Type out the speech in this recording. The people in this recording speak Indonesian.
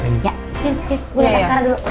sini sini gue liat sekarang dulu